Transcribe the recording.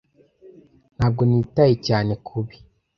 ntabwo nitaye cyane kubi